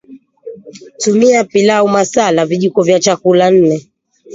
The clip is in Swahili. TumiaPilau masala Vijiko vya chakula nne